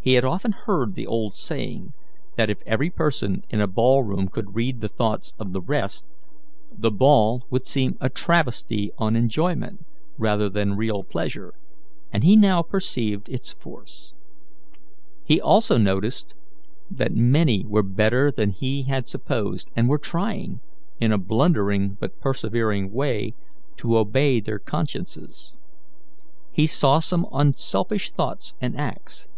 He had often heard the old saying, that if every person in a ball room could read the thoughts of the rest, the ball would seem a travesty on enjoyment, rather than real pleasure, and now he perceived its force. He also noticed that many were better than he had supposed, and were trying, in a blundering but persevering way, to obey their consciences. He saw some unselfish thoughts and acts.